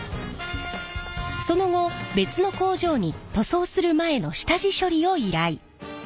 その後別の工場に塗装する前の下地処理を依頼。